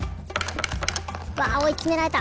わっおいつめられた。